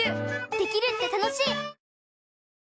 できるって楽しい！